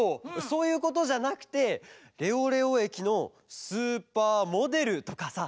そういうことじゃなくて「レオレオえきのスーパーモデル」とかさ。